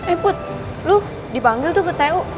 eh put lu dipanggil tuh ke tu